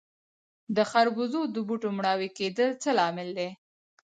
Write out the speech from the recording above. د خربوزو د بوټو مړاوي کیدل څه لامل لري؟